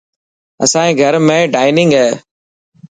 اسائي گهر ۾ ڊائنگ هي.